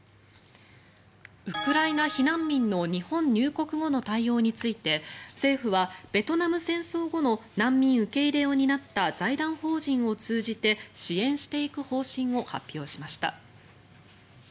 ウクライナ避難民の日本入国後の対応について政府はベトナム戦争後の難民受け入れを担った財団法人を通じて支援していく方針を発表しました。